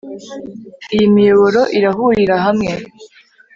Iyi miyoboro irahurira hamwe